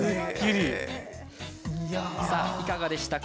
いかがでしたか？